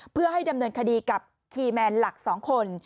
เพื่อให้ดำเนินคดีกับคีย์แมนหลัก๒คน